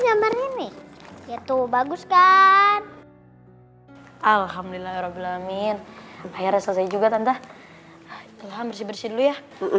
gambarnya nih itu bagus kan alhamdulillahirobbilalamin bayarnya selesai juga tante bersih bersih dulu ya